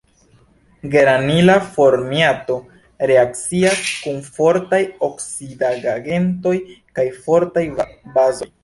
Geranila formiato reakcias kun fortaj oksidigagentoj kaj fortaj bazoj.